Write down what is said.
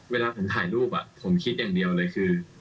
เวลาผมถ่ายรูปผมคิดอย่างเดียวเลยคือ